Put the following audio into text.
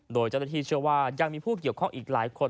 โดยเจ้าหน้าที่เชื่อว่ายังมีผู้เกี่ยวข้องอีกหลายคน